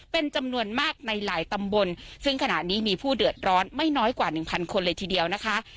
เป็นจำนวนมากในหลายตำบลซึ่งขณะนี้มีผู้เดือดร้อนไม่น้อยกว่าหนึ่งพันคนเลยทีเดียวนะคะ